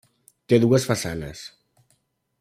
Té dues façanes.